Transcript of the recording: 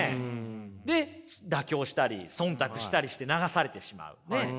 で妥協したりそんたくしたりして流されてしまうねっ。